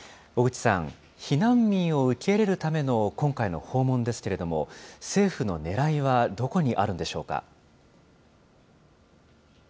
小口さん、避難民を受け入れるための今回の訪問ですけれども、政府のねらいはどこにあるんでしょうか。